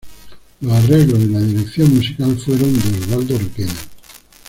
Los arreglos y la dirección musical fueron de Osvaldo Requena.